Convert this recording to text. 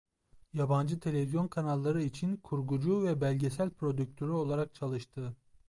Yabancı televizyon kanalları için kurgucu ve belgesel prodüktörü olarak çalıştı.